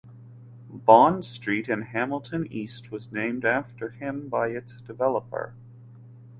Bond Street in Hamilton East was named after him by its developer.